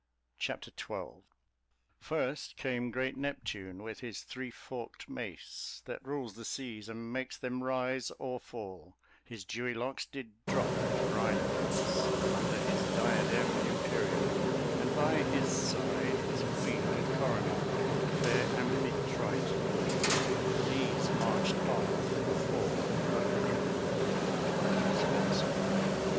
Chapter XII First came great Neptune, with his three forkt mace, That rules the seas, and makes them rise or fall: His dewy locks did drop with brine apace Under his diademe imperiall: And by his side his queene with coronall, Fair Amphitrite These marched farre afore the other crew. SPENSER.